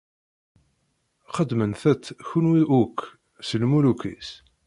Ḥemdemt- tt, kunwi akk, s lmuluk-is!